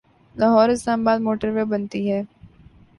Lahore Islamabad motorway بنتی ہے۔